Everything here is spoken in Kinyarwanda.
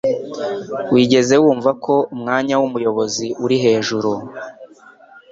Wigeze wumva ko umwanya wumuyobozi uri hejuru